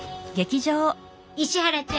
石原ちゃん